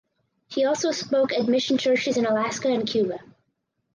He also spoke at mission churches in Alaska and Cuba.